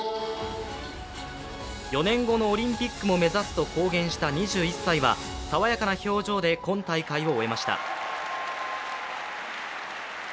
４年後のオリンピックも目指すと公言した２１歳は、爽やかな表情で今大会を終えました。